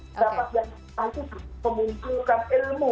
pendapat yang salah itu memungkinkan ilmu